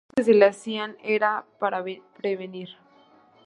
Los ofrecimientos que se le hacían eran para prevenir.